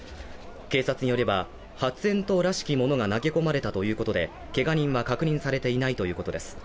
警察によれば、発煙筒らしきものが投げ込まれたということで、けが人は確認されていないということです。